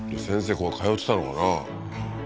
ここ通ってたのかな？